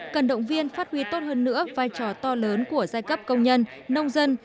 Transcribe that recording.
cần động viên phát huy tốt hơn nữa vai trò to lớn của giai cấp công nhân nông dân